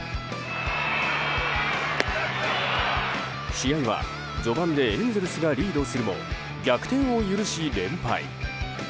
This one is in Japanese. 試合は序盤でエンゼルスがリードするも逆転を許し、連敗。